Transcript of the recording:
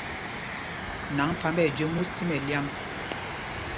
Nǎŋgphǎmb ɛ jüé mūs tí mɛlyǎm.